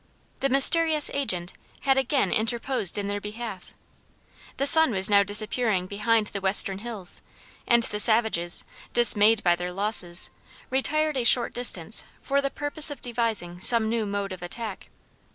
The mysterious agent had again interposed in their behalf. The sun was now disappearing behind the western hills, and the savages, dismayed by their losses, retired a short distance for the purpose of devising some new mode of attack.